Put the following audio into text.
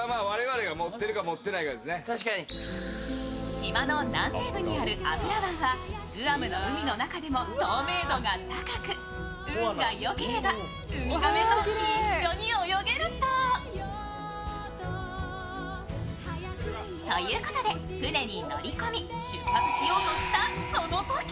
島の南西部にあるアプラ湾はグアムの海の中でも透明度が高く運がよければ、海亀と一緒に泳げるそう。ということで、船に乗り込み、出発しようとした、そのとき